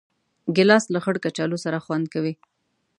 ګیلاس له خړ کچالو سره خوند کوي.